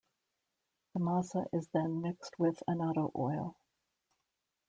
The masa is then mixed with annatto oil.